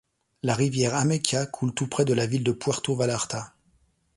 La rivière Ameca coule tout près de la ville de Puerto Vallarta.